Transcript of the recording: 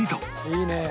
「いいね！」